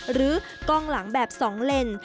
หรือกล้องหลังแบบ๒เลน